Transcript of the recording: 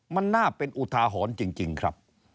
มันน่าเป็นอุทาหรณ์จริงครับ